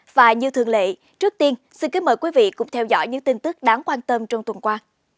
và như thường lệ trước tiên xin kính mời quý vị cùng theo dõi những tin tức đáng quan tâm trong tuần qua